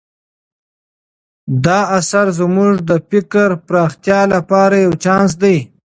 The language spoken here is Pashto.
دا اثر زموږ د فکر د پراختیا لپاره یو چانس دی.